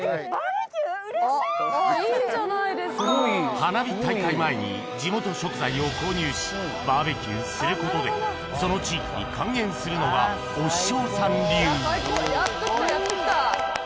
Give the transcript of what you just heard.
花火大会前に地元食材を購入しバーベキューすることでその地域に還元するのが推し匠さん流最高やっと来たやっと来た。